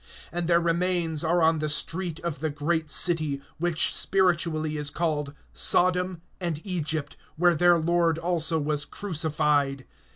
(8)And their remains are on the street of the great city, which spiritually is called Sodom and Egypt, where their Lord also was crucified.